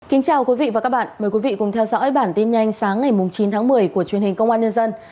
kính chào quý vị và các bạn mời quý vị cùng theo dõi bản tin nhanh sáng ngày chín tháng một mươi của truyền hình công an nhân dân